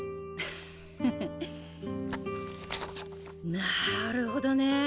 なるほどね。